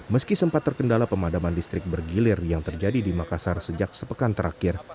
meski sempat terkendala pemadaman listrik bergilir yang terjadi di makassar sejak sepekan terakhir